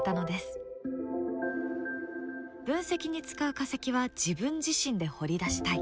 分析に使う化石は自分自身で掘り出したい。